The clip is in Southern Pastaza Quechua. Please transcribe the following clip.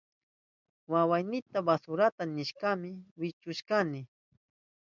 Wawaynita wasurata ninapi wichuchishkani.